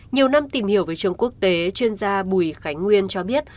nhiều năm tìm hiểu về trường quốc tế chuyên gia bùi khánh nguyên cho biết